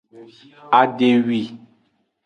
Adewi.